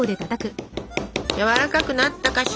やわらかくなったかしら。